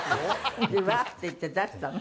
「うわ！」って言って出したの？